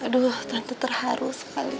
aduh tante terharu sekali